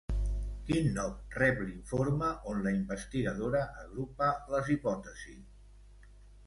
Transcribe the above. Quin nom rep l'informe on la investigadora agrupa les hipòtesis?